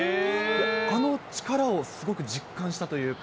あの力をすごく実感したというか。